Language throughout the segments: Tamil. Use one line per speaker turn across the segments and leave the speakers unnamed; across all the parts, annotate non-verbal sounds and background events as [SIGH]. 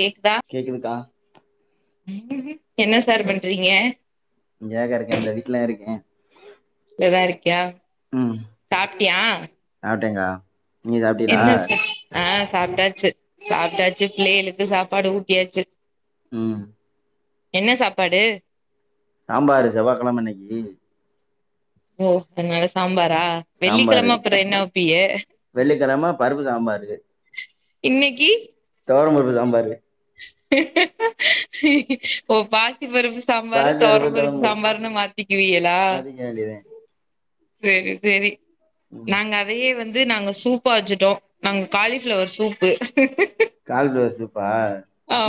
கேக்தா
கேக்குதுகா
என்ன சார் பண்றீங்க
இங்கதா இருக்கே இந்தா வீட்டுலதா இருக்கே
நல்லா இருக்கியா சாப்டியா
சாப்டேங்கா
என்ன சா ஆ சாப்டாச்சு சாப்டாச்சு பிள்ளைங்களுக்கு சாப்பாடு ஊட்டியாச்சு
ம்
என்ன சாப்பாடு
சாம்பாரு செவ்வாகிழம இன்னைக்கி
ஓ அதனால சாம்பாரா
சாம்பாரு
வெள்ளிக்கிழம அப்புறோ என்ன வப்பிய
வெள்ளிக்கெழம பருப்பு
இன்னைக்கி
தொவர பருப்பு சாம்பாரு
ஓ பாசி பருப்பு சாம்பாரு தொவர
பாசிப்பருப்பு
பருப்பு
தொவரம்
சாம்பாருனு மாத்திகிவியலா
அதுக்க வேண்டியதே
செரி செரி
ம்
நாங்க அதயே வந்து நாங்க சூ ப்பா வச்சிட்டோ நாங்க காலிஃபிளவர் சூப்பு
காலிப்ளவர் சூப்பா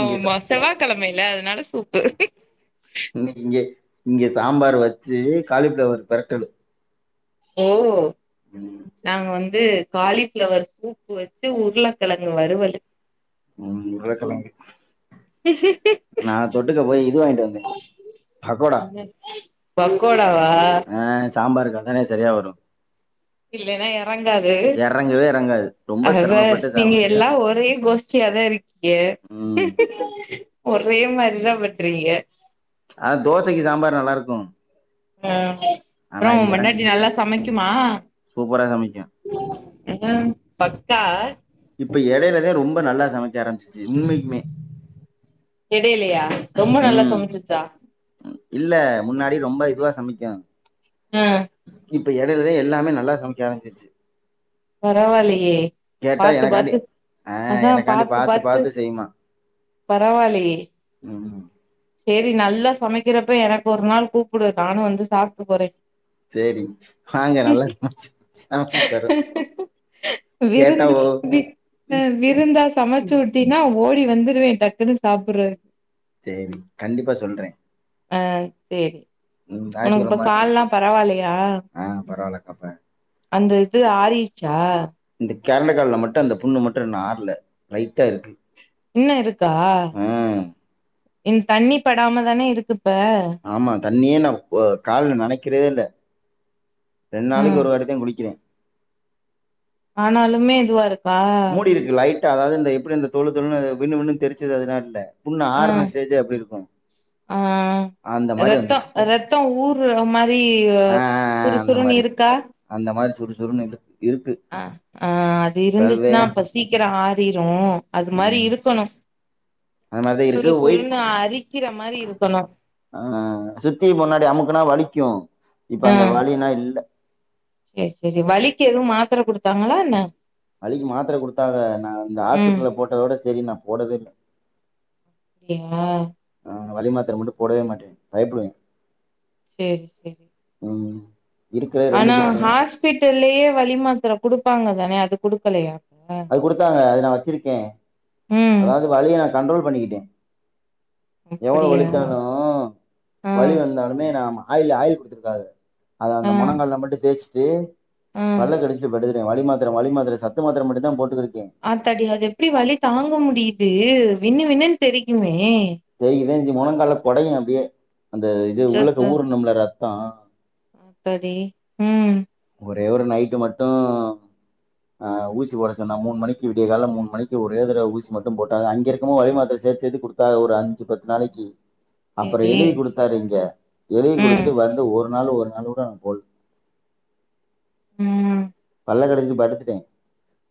இங்க சா
செவ்வாகிழமயில்ல அதனால சூப்பு
இன்னிக்கி இங்க இங்க சாம்பார் வச்சு காலிஃபிளவர் பெரட்டலு
ஓ
ம்
நாங்க வந் து காலிஃபிளவர் சூப் வச்சு உருளக்கெழங்கு வறுவலு
ம் உருளக்கிழங்கு நா தொட்டுக்க போய் இது வாங்கிட்டு வந்தே பக்கோடா
பக்கோடாவா
ஆ சாம்பாருக்கு அதானே சரியா வரு
இல்லனா எறங்காது
எறங்கவே எறங்காது ரொம்ப
அதா
சிரமப்பட்டு சாப்ட
நீங்க
வேண்டியதா
எல்லா ஒரே கோஷ்ட்டியாதா இருக்கீங்க
ம்
ஒரே மாரிதா பண்றீங்க
ஆ தோசைக்கு சாம்பார் நல்லா இருக்கு
அ
ஆனா
அப்புறோ
இது
ஒன்
எறங்
பொண்டாட்டி நல்லா சமைக்குமா
சூப்பரா சமைக்கு
அதான் பக்கா
இப்ப எடைலதா ரொம்ப நல்லா சமைக்க ஆரமிச்சிச்சு உண்மைக்குமே
எடைலயா ரொம்ப நல்லா
ம்
சமைச்சிச்சா
இல்ல முன்னாடி ரொம்ப இதுவா சமைக்கு
அ
இப்ப எடைலதே எல்லாமே நல்லா சமைக்க ஆரமிச்சிர்ச்சு
பரவாயில்லயே
கேட்டா
பாத்து
எனக்காண்டி
பாத்து
ஆ
அதா
எனக்காண்டி
பாத்து பாத்து
செய்யுமா
பரவாயில்லயே
ம்
சேரி நல்லா சமைக்கிறப்ப எனக்கு ஒரு நாள் கூப்டு நானு வந்து சாப்ட்டு போறே
சேரி வாங்க நல்லா சம்ச்சு சமச்சு தரு
விருந்து வி அ விருந்தா சமச்சு உட் டினா ஓடி வந்துருவே டக்குன்னு சாப்புறக்கு
சேரி கண்டிப்பா சொல்றே
ஆ சேரி
ம்
உனக்கு இப்ப
ஞாயித்துக்கெழம
கால்லா பரவாயில்லயா
ஆ பரவால்லக்கா ப
அந்த இது ஆறிர்ச்சா
இந்த பெரண்ட கால்ல மட்டு அந்த புண்ணு மட்டு இன்னு ஆற்ல லைட்டா இருக்கு
இன்னு இருக்கா
ம்
இந் தண்ணி படாமதான இருக் இப்ப
ஆமா தண்ணியே நா இப்போ கால்ல நனைக்கிறதே இல்ல ரெண் நாளைக்கு
ம்
ஒரு வாட்டிதா குளிக்கிறே
ஆனாலுமே இதுவா இருக்
மூடிருக்கு லைட்டா அதாவ்து இந்த எப்டி அந்த தொழு தொழுன்னு அது விண்ணு விண்ணு தெரிச்சது அதுலா இல்ல புண்ணு
ஆ
ஆர்ண ஸ்டேஜா எப்டி இருக்கு
ரெத்தோ ரெத்தோ ஊர்ற மாரி
ஆ ஆ ஆ அந்த
சுறுசுறுன்
மாரி.
இருக்கா
அந்த மாரி சுறுசுறுன்னு இழுக் இருக்கு
அ ஆ அது
இப்பவே
இருந்துச்ன்னா அப்ப சீக்கிரோ ஆரிரு அது மாரி
ம்.
இருக்கணு
அந்த மாரி தான் இருக்கு. ஒயிட்
சுறுசுறுன்னு அரிக்கிற மாரி இருக்கணு
ஆ சுத்தி முன்னாடி அமுக்குனா வலிக்கு இப்ப
ஆ
அந்த வலினா இல்ல
சேரி சேரி வலிக்கு எதூ மாத்தர குடுத்தாங்ளா என்ன
வலிக்கு மாத்தர குடுத்தாக நா இந்த
ம்
ஹாஸ்பிட்ல போட்டதோட சரி நா போடவேல்ல
அப்டியா
ஆ வலி மாத்தர மட்டு போடவே மாட்டே பயப்புடுவோ
சேரி சேரி
ம் இருக்கிற
ஆனா
கிட்னி
ஹாஸ்பிட்டல்லியே வலி மாத்ர குடுப்பாங்கதான அது குடுக்கலையா அப்ப?
அது குடுத்தாங்க அது நா வச்சிருக்கே
ம்
அதாவ்து வலிய நா கண்ட்ரோல் பண்ணிக்கிட்டே எவுளோ
அப்டியா
வலிச்சாலு
ஆ
வலி வந்தாலுமே நாம ஆயில் ஆயில் குடுத்துருக்காக அத
ஆ
அந்த மொனங்கால்ல மட்டு தேய்ச்சிட்டு
ஆ
பல்ல கடிச்ட்டு படு [UNINTELLIGIBLE] வலி மாத்தர வலி மாத்தர சத்து மாத்தர மட்டுந்தா போட்டுகுருக்கே
ஆத்தாடி அது எப்டி வலித் தாங்க முடியிது வின்னு வின்னுன் தெரிக்குமே
[UNINTELLIGIBLE] மொனங்கால்லக் கொடையு அப்டியே அந்த இது உள்ளக்க
அச்சச்சோ
ஊருனும்ள ரத்தோ
ஆத்தாடி ம்
ஒரே ஒரு நைட்டு் மட்டு ஆ ஊசி போடச்சொன்னா மூன் மணிக்கி விடிய கால மூன் மணிக்கி ஒரே தரவே ஊசி மட்டும் போட்டாக அங்கே இருக்குமோ வலி மாத்தரச் சேத் சேத்து குடுத்தாக ஒரு அஞ்சு பத் நாளைக்கி அப்பறோ
சேரி
எழுதி குடுத்தாரு இங்க எழுதி
ம்
குடுத்துட்டு வந்து ஒரு நாளு ஒரு நாளு கூட நாம் போல்ல
ம்
பல்ல கடிச்சிடு படுத்துட்டே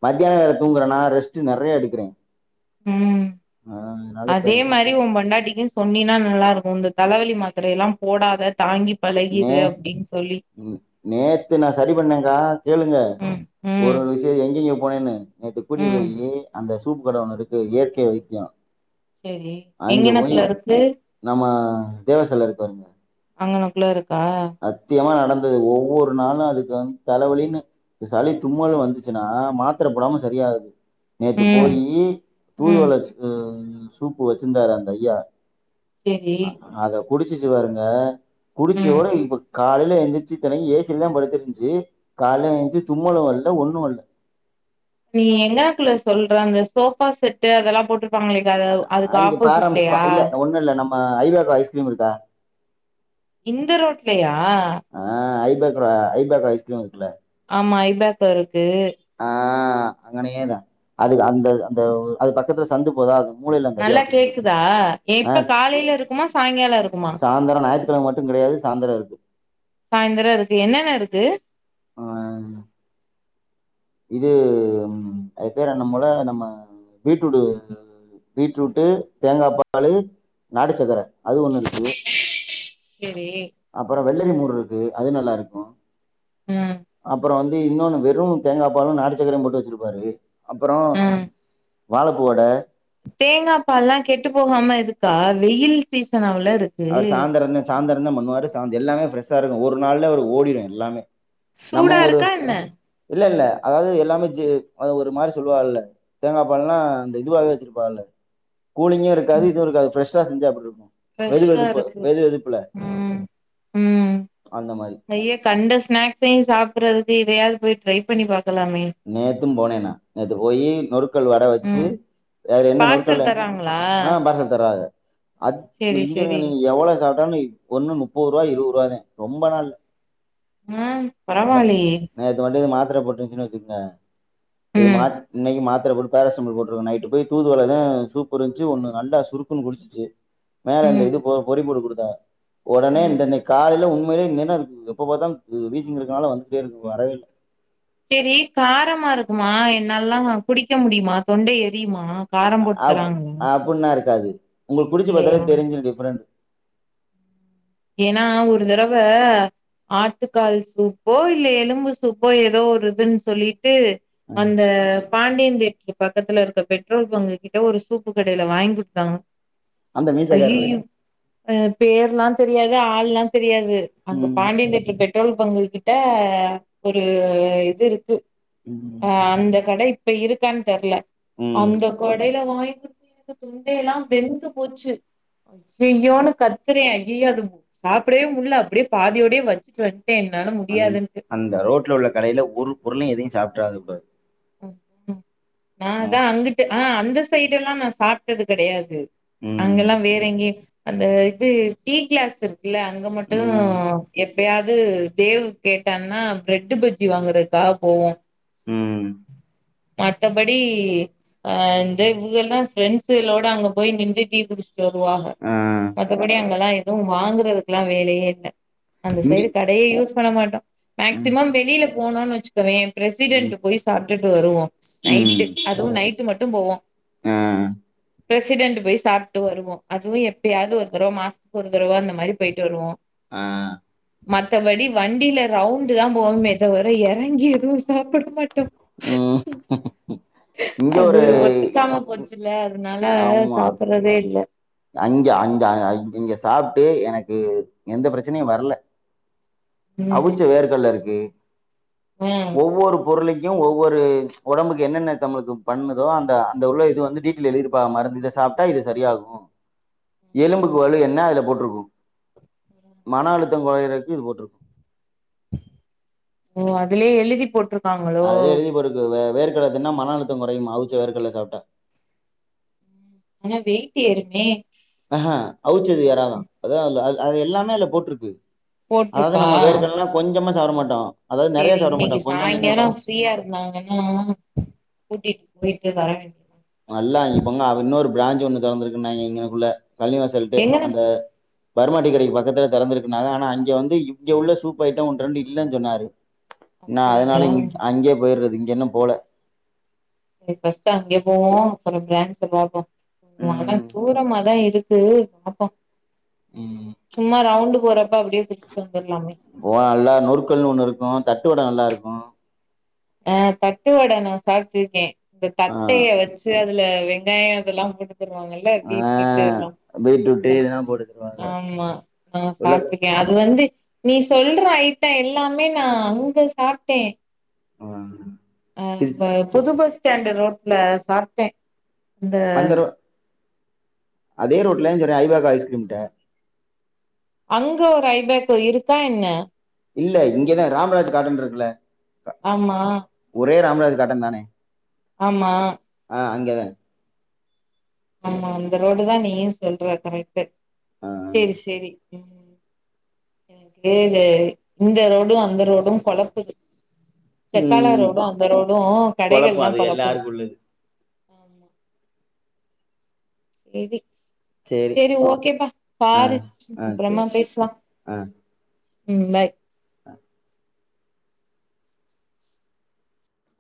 மத்யானோ வேறத் தூங்கறனா ரெஸ்ட்டு நெறைய எடுகறே
ம்
இப்ப
அதே
எனக்கு
மா ரி ஒம் பொண்டாட்டிகி சொன்னினா நல்லாருக்கு இந்தத் தலவலி மாத்திரையிலாம் போடாத தாங்கிப் பழகிரு அப்டின் சொல்லி
ம் நேத்து நா சரி பண்ணேங்கா கேளுங்க
ம்
ஒரு
ம்
ஒரு விஷ் சேரி எங்கெங்க போனேன்னு நேத்து கூட்டிரு
ம்
போயி அந்த சூப் கட ஒன்னு இருக்கு இயற்கை வைத்யோ
செரி
அங்கே போயி
எங்கனக்குள்ள இருக்கு
நம்ம தேவர்செல இருக் பாருங்க
அங்கனகுள்ள இருக்கா
சத்தியமா நடந்தது ஒவ்வொரு நாளு அதுக்கு வந் தலவலின்னு இப்ப சளி தும்மலு வந்துச்சுனா மாத்தர போடாம சரியாகாது நேத்து
ம்
போயி
ம்
தூதுவளச்சு சூப்பு வெச்சிந்தாரு அந்த ஐயா
சேரி
அதக் குடிச்சிச்சி வாருங்க குடிச்சு
ம்
ஒரேய் காலைல எந்திரிச்சி இத்தனைகு ஏ சிலதாம் படுத்துருந்ச்சி கால்ல எந்ச்சி தும்மளு வல்ல ஒன்னு வல்ல
நீ எங்கனக்குல சொல்ற அந்த சோஃபா செட்டு அதலாம் போட்ருப்பாங்ளே கதவ் அதுக்கு ஆப்போசிட்லயா
நெல்ல நம்ம ஐ பே கோ ஐஸ்கிரீம் இருக்கா
இந்த ரோட்லயா
அ ஐ பேக்கொட ஐ பேக்கோ ஐஸ்கிரீம் இருக்குல
ஆமா ஐ பேக்கோ இருக்கு
ஆ அங்கனேதா அதுக்கு அந்த அந்த அது பக்கத்துல சந்து போதா மூலையில அந்த ஐயா
நல்லா
வச்சிருப்பாரு
கேக்குதா
ஆ
எப்ப காலைல இருக்குமோ சாயங்காலோ இருக்
சாயந்தரோ ஞாயித்துக்கெழம மட்டுங் கெடையாது சாந்தரோ இருக்கு
சாயந்தரோ இருக்கு என்னென்ன இருக்கு
[UNINTELLIGIBLE] இது ம் அது பேரு என்னம்மோல நம்ம பீட்ரூடு பீட்ரூட்டு தேங்காப்பாலு நாட்டுசக்கர அதுவு ஒன்னு இருக்கு
கெரி
அப்பறோ வெள்ளரி மோர் ருக்கு அது நல்லாருக்கு
ம்
அப்பறோ வந்து இன்னோனு வெறு தேங்காப்பாலு நாட்டுச் சக்கரையும் போட்டு வெச்சிருப்பாரு அப்பறோ வாழப்பூ வட
தேங்காப்பால்லாங் கெட்டு போகாம இதுக்கா வெயில் சீசன் அவளருக்
அவர் சாந்தரந்தே சாந்தரந்தேம் பண்ணுவாரு சாந் எல்லாமே ஃப்ரெஷ்ஷா இருகு ஒரு நாள்ல அவுரு ஓடிரு எல்லாமே நம்ம
சூடா
ஒரு
இருக்கா என்ன
இல்ல இல்ல அதாவ்து எல்லாமே ஜே அத ஒரு மாரி சொல்லுவால்ல தேங்காப்பால்லா அந்த இதுவாவவே வெச்சிருப்பாகல்ல கூலிங்கு இருக்காது இதுவு இருக்காது ஃப்ரெஷ்ஷா செஞ்சா எப்புட்ருக்கு
ஃப்ரெஷா இருக்கு ம் ம்
அந்த மாதிரி
ஐயக் கண்ட ஸ்நாக்ஸையு சாப்பிறதுக்கு இதையாது போய் ட்ரைப் பண்ணி பாக்கலாமே
நேத்தும் போனே நா நேத்து போய் நொருக்கல் வட வச்சு
ம்
வேற என்ன
பார்சல்
நொருக்கல
தராங்களா
ஆ பார்சல் தராரு அக்
சேரி
இங்க
சேரி
நீங்க எவ்ளோ சாப்ட்டாலு ஒன்னு முப்போரூவா இருவோரூவாதே ரொம்பலா இல்ல
அ பரவால்லியே
நேத்து மட்டு இது மாத்தர போட்டுருச்சின்னு வச்சுக்ங்க இது
ம்
மாத் இன்னைக்கு மாத்தர போட் பேராசிமல் போட்டிருக்கு நைட்டு போய் தூதுவலத சூப்பு இருந்துச்சு ஒன்னு நல்லா சுருக்குன்னு குடிச்சுசு மேல இந்த
ம்
இது பொ பொறிப்போட்டு குடுத்த ஒடனே
ம்
இந்த இன்னிக் காலைல உண்மையிலே இல்லேன்ன அது எப்ப பாத்தாலு வீசிங் இருக்கனால வந்துட்டே இருக்கு இப்ப வரவே இல்ல
செரி காரமா இருக்குமா என்னால்லா குடிக்க முடியுமா தொண்ட எரியுமா காரம்
அ
போட்டு
அப்
தராங்களா
அப்டின்னா இருக்காது உங்களுக் குடிச்சு
இல்லையா
பாத்தாலே தெரிஞ்சுரு டிஃப்ரெண்ட்
ஏனா ஒரு தடவ ஆட்டுக்கால் சூப்போ இல்ல எலும்பு சூப்போ எதோ ஒருதுன்னு சொல்லிட்டு அந்த பாண்டியன் தேட்ரு பக்கத்துல இருக்க பெட்ரோல் பங்கு கிட்ட ஒரு சூப்பு கடைல வாய்ங் குடுத்தாங்க
அந்த மீசக்காரரு
ஐயோயோ அ பேர்ல்லா தெரியாது ஆள்ல்லா தெரியாது அங்க
ம்
பாண்டியன் தேட்ரு பெட்ரோல் பங்கு கிட்ட ஒரு இது இருக்கு ஆ
ம்
அந்த கடை இப்ப இருக்கான்னு தெர்ல
ம்
அந்த கடைல வாய்ங் கு தொண்டைய எல்லா வெந்து போச்சு ஐயயோன்னு கத்துற ஐயயோ அது சாப்டவே முல்ல அப்டியே பாதியோடயே வச்சிட்டு வந்ட்டே என்னால
அந்
முடியாதுன்ட்டு
அந்த ரோட்ல உள்ள கடைல ஒரு பொருளயு எதையு சாப்புட்றாதபா
ஆ அதா
மோஸ்
அங்குட்டு ஆ அந்த சைடுல்லா நா சாப்ட்டது கெடையாது
ம்
அங்கெல்லா வேற எங்கயு அந்த இது டீ கிளாஸ் இருக் குல்ல அங்க மட்டு
ம்
எப் ப்பயாது தேவ் கேட்டான்னா பிரெட்டு் பஜ்ஜி வாங்கறக்காக போவோ
ம்
மத்தபடி அ இந்த இங்கெல்லா ஃப்ரெண்ட்ஸுகளோட அங்க போய் நின்னு டீ குடிச் ட்டு வருவாக
ஆ
மத்தபடி அங்கெல்லா எதுவு வாங்குறதுக்குல்லா வேலையே இல்ல அந்த
இங்கி
சைடு கடையே யூஸ் பண்ண மாட்டோ
ம்
மேக்சிமம் வெளில போனோனு வச்சுக் கோவே
ம்
பிரசிடென்ட் போய் சாப்ட்டுட்டு வருவோ
ம்
நைட்டு அதுவு நைட்டு மட்டு போவோ
ஆ
பிரசிடண்ட் போய் சாப்ட்டு வருவோ அதுவு எப்பயாவ்து ஒரு தடவ மாசத்துக்கு ஒரு தடவ அந்த மாரி போயிட்டு வருவோ
ஆ
மத்தபடி வண்டில ரவுண்ட்தா போவோமே தவிர எறங்கி எதுவு சாப்புட மாட்டோ
ம் இங்க
அது
ஒரு
ஒத்துக்காம போச்சுல்ல அதனால
ஆமா
சாப்புடுறதே இல்ல
அங்க அங்க அ இங்க சாப்ட்டு எனக்கு எந்த பிரச்சனையு வர்ல அவுச்ச
ம்
வேர்கல்ல இருக்கு
ம்
ஒவ்வொரு பொருளைக்கு ஒவ்வொரு ஒடம்புக்கு என்னென்ன தமளுக்கு பண்ணுதோ அந்த அந்த உள்ள இது வந்து டீடெயில் எழுதிருப்பா மருந்து இத சாப்ட்டா இது சரியாகு எலும்புக்கு வலு என்ன அதுல போட்டிருக்கு மன அழுத்தம் கொறைறக்கு இது போட்டிருக்கு
ஓ அதுலயே எழுதி போட்டிரு
அதுலே எழுதிப்போட்ருக்கு வே வேர்கல்ல தின்னா மன அழுத்தொ கொறையுமா அவுச்ச வேர்க்கல்ல சாப்ட்டா
ஆனா வெயிட்டு ஏறுமே
அஹ அவுச்சது ஏறாதா அதா அதுல அ அது எல்லாமே அல்ல போட்டிருக்கு அதாவது நம்ம
போட்ருக்கா
வேர்கடலாம் கொஞ்சமா சாப்ட மாட்டோம் அதாவது நெறையா
சேரி
சாப்ட
இன்னைக்கு
மாட்டோம் கொஞ்ச கொஞ்ச தா
சாயங்காலோ
சாப்
ஃப்ரீயா இருந்தாங்கன்னா கூட்டிட்டு போயிட்டு வர வேண்டி
நல்லா இங்க பொங்கா அவ இன்னொரு பிராஞ்சி ஒண்ணு தொறந்திருக்குன்னாங்க இங்கனக்குள்ள பள்ளி வாசல்ட்டே
எங்கன
அந்த பர்மா டீ கடைக்கு பக்கத்துல தெறந்திருக்குனாங்க ஆனா அங்க வந்து இங்க உள்ள சூப் ஐட்டம் ஒன்ன ரெண்டு இல்லன் சொன்னாரு நா அதனால
அப்டியா
இ அங்கயே போயிறது இங்க இன்னும் போல
இன்னைக்கு ஃபஸ்ட்டு அங்கே போவோம் அப்புறம் பிராண்ட்ஸ் ஒரு நாள் போ ஆனா
ம்
தூரமா தா இருக் து வாப்பா
ம்
சும்மா ரவுண்டு் போறப்ப அப்டே குடிச்சிட்டு வந்தறலாமே
ஓ அல்லா நொறுக்கல்னு ஒண்ணு இருக்கும் தட்டுவடம் எல்லா இருக்கும்
ஆ தட்டுவட நா சாப்பிட்டுருக்கேன் இந்த
ஆ
தட்டைய வச் சி அதுல வெங்காயம் அதெல்லா கொடுத்துருவாங்க இல்ல
ஆ
வீட்ல இருந்து எல்லாம்
பீட்ரூட்டு இதெல்லாம் போட்டு தருவாங்க
ஆமா நா
உள்ள
சாப்ட்டுருக்கேன் அது வந்து நீ சொல்ற ஐட்டம் எல்லாமே நா அங்க சாப்ட்டேன்
ம்
ஆ ப புது பஸ் ஸ்டேண்டு் ரோட்ல சாப்ட்டன் இந்த
அந்த ரோ அதே ரோட்லன் சொல்ற ஐவாக்கு ஐஸ்கிரீம்ட்ட
அங்க ஒரு ஐபேக்கு இருக்கா என்ன
இல்ல இங்கதா ராம்ராஜ் காட்டன் இருக்குல்ல
ஆமா
ஒரே ராம்ராஜ் காட்டன் தானே
ஆமா
ஆ அங்கதா
ஆமா அந்த ரோடு தா நீயும் சொல்ற கரெட்டு
ஆ
செரி செரி ம் ஏது இந்த ரோடும் அந்த ரோடும் கொழப்புது தெக்காளா
ம்
ரோடும் அந்த ரோடும்
குழப்பம் அது
கடைகள்லாம் கொழப்புது
எல்லாருக்கும் உள்ளது
ஆமா செரி
சரி
செரி ஓகேப்பா
ஆ
பாரு
ஆ
அப்பறமா
சரி
பேசலா ம் பாய்
ஆ